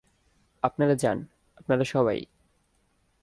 আপনারা যান, আপনারা সবাই।